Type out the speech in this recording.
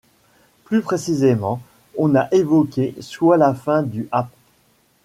Plus précisément, on a évoqué, soit la fin du ap.